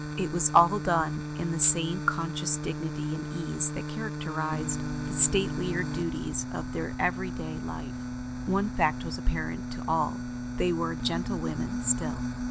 It was all done with the same conscious dignity and ease that characterized the statelier duties of their every day life. One fact was apparent to all: they were gentlewomen still.